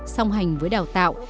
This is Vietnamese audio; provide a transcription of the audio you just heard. xong hành với đào tạo